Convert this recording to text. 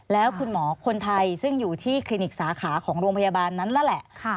แล้วคุณหมอคนไทยซึ่งอยู่ที่คลินิกสาขาของโรงพยาบาลนั้นนั่นแหละ